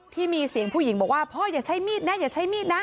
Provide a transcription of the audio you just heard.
ที่มีเสียงผู้หญิงบอกว่าพ่ออย่าใช้มีดนะอย่าใช้มีดนะ